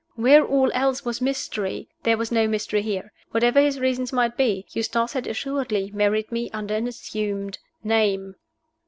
Where all else was mystery, there was no mystery here. Whatever his reasons might be, Eustace had assuredly married me under an assumed name.